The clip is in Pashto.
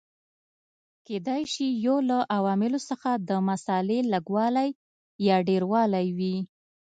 کېدای شي یو له عواملو څخه د مسالې لږوالی یا ډېروالی وي.